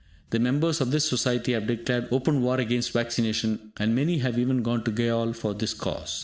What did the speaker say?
The members of this society have declared open war against vaccination, and many have even gone to gaol for this cause.